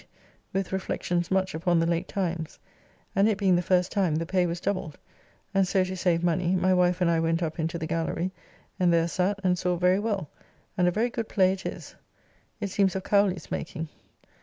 ] made in the year 1658, with reflections much upon the late times; and it being the first time, the pay was doubled, and so to save money, my wife and I went up into the gallery, and there sat and saw very well; and a very good play it is. It seems of Cowly's making.